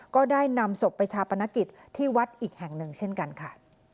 ก็ได้นำศพไปชาปนกิจที่วัดอีกแห่งหนึ่งเช่นกันค่ะ